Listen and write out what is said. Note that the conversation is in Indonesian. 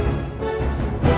masih ada yang nunggu